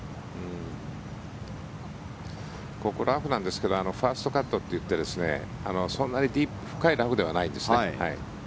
ここ、ラフなんですけどファーストカットといってそんなに深いラフではないんですね。